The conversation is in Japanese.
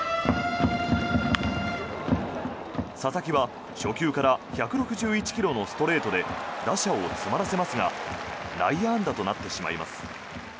佐々木は初球から１６１ｋｍのストレートで打者を詰まらせますが内野安打となってしまいます。